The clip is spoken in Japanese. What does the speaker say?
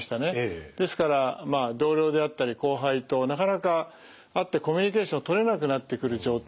ですから同僚であったり後輩となかなか会ってコミュニケーションをとれなくなってくる状態ですね。